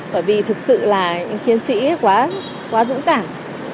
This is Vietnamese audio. bởi vì thực sự là những chiến sĩ quá dũng cảm